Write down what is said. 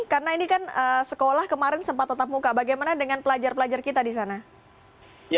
karena ini kan sekolah kemarin sempat tetap buka bagaimana dengan pelajar pelajar kita di sana